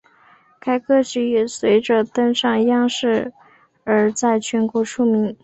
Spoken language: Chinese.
该歌曲也随着登上央视而在全国出名。